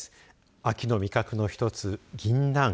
秋の味覚の一つ、ぎんなん。